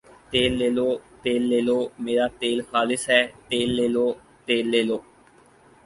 تیل لے لو ، تیل لے لو میرا تیل خالص ھے تیل لے لو تیل لے لو